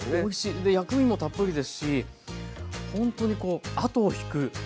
で薬味もたっぷりですしほんとにこう後を引くおいしさですね。